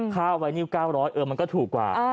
ข้าวไวนิล๙๐๐เออมันก็ถูกกว่า